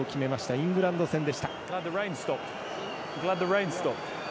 イングランド戦でした。